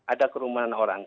ada kerumunan orang